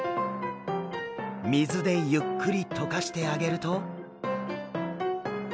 水でゆっくり解かしてあげると。